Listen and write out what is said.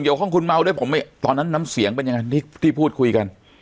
ห้องคุณเมาด้วยผมตอนนั้นน้ำเสียงเป็นยังไงที่พูดคุยกัน